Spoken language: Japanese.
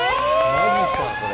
マジかこれ。